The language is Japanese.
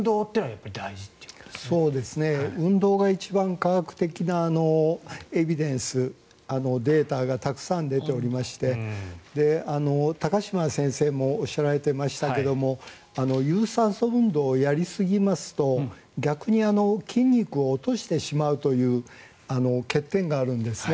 運動が一番、科学的なエビデンスデータがたくさん出ておりまして高島先生もおっしゃられていましたけど有酸素運動をやりすぎますと逆に筋肉を落としてしまうという欠点があるんですね。